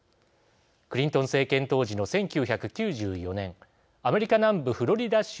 クリントン政権当時の１９９４年アメリカ南部フロリダ州